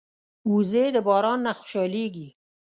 وزې د باران نه خوشحالېږي